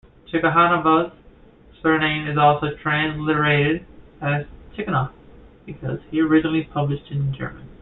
Tikhonov's surname is also transliterated as "Tychonoff", because he originally published in German.